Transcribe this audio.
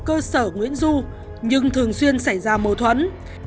cơ sở nguyễn du nhưng thường xuyên xảy ra mâu thuẫn